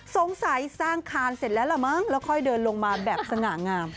สงสัยสร้างคานเสร็จแล้วล่ะมั้งแล้วค่อยเดินลงมาแบบสง่างาม